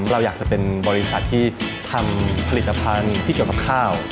เราอยากจะเป็นบริษัทที่ทำผลิตภัณฑ์ที่เกี่ยวกับข้าว